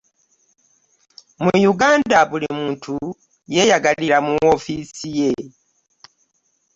mu uganda buli muntu yeeyagalira mu woofiisi ye.